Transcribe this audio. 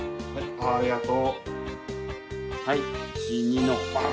ありがとう。